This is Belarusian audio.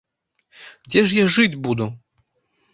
Дзе ж я жыць буду?